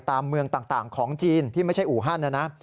เมืองต่างของจีนที่ไม่ใช่อูฮันนะนะ